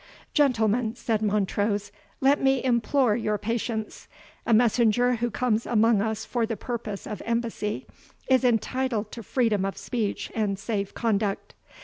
"Gentlemen," said Montrose, "let me implore your patience; a messenger who comes among us for the purpose of embassy, is entitled to freedom of speech and safe conduct.